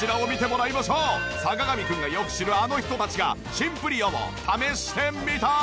坂上くんがよく知るあの人たちがシンプリオを試してみた。